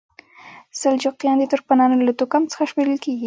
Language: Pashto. سلجوقیان د ترکمنانو له توکم څخه شمیرل کیږي.